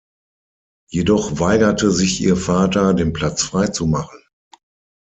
Jedoch weigerte sich ihr Vater, den Platz frei zu machen.